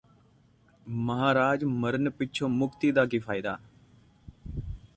ਮਹਾਰਾਜ ਮਰਨ ਪਿੱਛੋਂ ਮੁਕਤੀ ਦਾ ਕੀ ਫਾਇਦਾ